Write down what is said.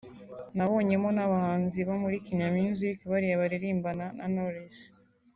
nabonyemo n’abahanzi bo muri Kina Music bariya baririmbana na Knowless